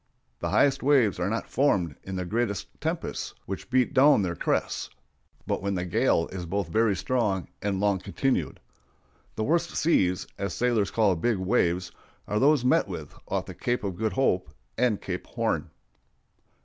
The highest waves are not formed in the greatest tempests, which beat down their crests, but when the gale is both very strong and long continued. The worst "seas," as sailors call big waves, are those met with off the Cape of Good Hope and Cape Horn.